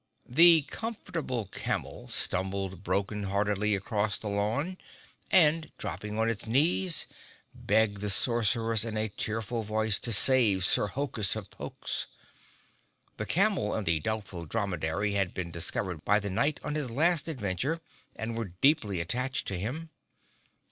The Comfortable Camel stumbled broken heartedly across the lawn and dropping on its knees begged the Sorceress in a tearful voice to save Sir Hokus of Pokes. The Camel and the Doubtful Dromedary had been discovered by the Knight on his last adventure and were deeply attached to him.